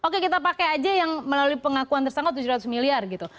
kemana aja yang melalui pengakuan tersangka tujuh ratus miliar gitu